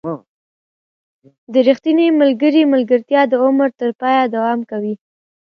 • د ریښتوني ملګري ملګرتیا د عمر تر پایه دوام کوي.